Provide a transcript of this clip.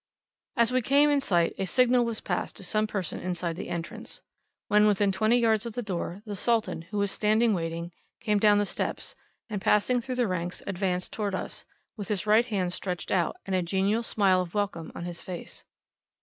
As we came in sight a signal was passed to some person inside the entrance. When within twenty yards of the door, the Sultan, who was standing waiting, came down the steps, and, passing through the ranks, advanced toward us, with his right hand stretched out, and a genial smile of welcome on his face.